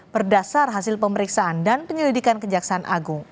berdasar hasil pemeriksaan dan penyelidikan kejaksaan agung